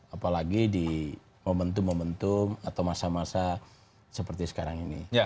apalagi di momentum momentum atau masa masa seperti sekarang ini